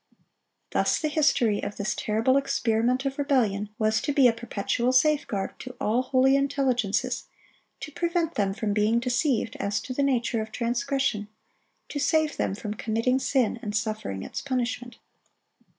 Thus the history of this terrible experiment of rebellion was to be a perpetual safeguard to all holy intelligences, to prevent them from being deceived as to the nature of transgression, to save them from committing sin and suffering its punishment.